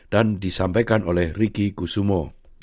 disampaikan oleh riki kusumo